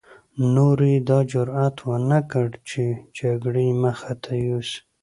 نورو يې دا جرعت ونه کړ چې جګړې مخته يوسي.